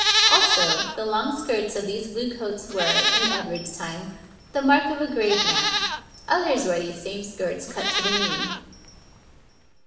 Also, the long skirts of these blue coats were, in Edward's time, the mark of the grave man, others wore these same skirts cut to the knee.